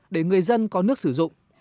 để người dân có nước sử dụng